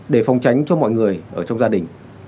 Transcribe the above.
để phòng tránh cho mọi người ở trong gia đình